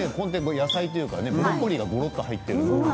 野菜というかブロッコリーがごろっと入っている。